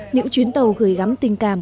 những chuyến tàu gửi gắm tình cảm